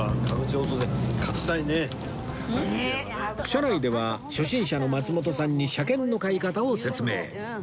車内では初心者の松本さんに車券の買い方を説明